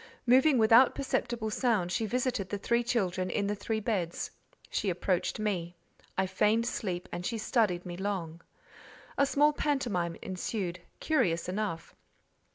Moving without perceptible sound, she visited the three children in the three beds; she approached me: I feigned sleep, and she studied me long. A small pantomime ensued, curious enough.